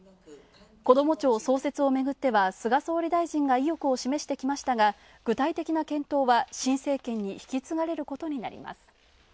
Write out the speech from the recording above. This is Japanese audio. こども庁創設をめぐっては菅総理大臣が意欲を示してきましたが、具体的なものは新政権に引き継がれることになります。